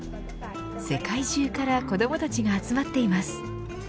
世界中から子どもたちが集まっています。